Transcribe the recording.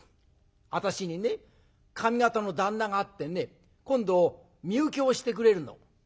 「私にね上方の旦那があってね今度身請けをしてくれるの」。